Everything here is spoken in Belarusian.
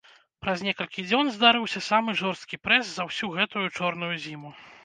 Праз некалькі дзён здарыўся самы жорсткі прэс за ўсю гэтую чорную зіму.